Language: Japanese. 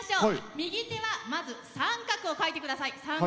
右手は三角を描いてください。